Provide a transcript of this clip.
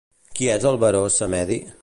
Qui és el Baró Samedi?